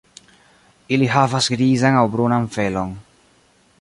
Ili havas grizan aŭ brunan felon.